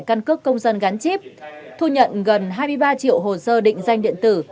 căn cước công dân gắn chip thu nhận gần hai mươi ba triệu hồ sơ định danh điện tử